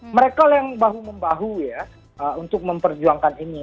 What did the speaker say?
mereka yang bahu membahu ya untuk memperjuangkan ini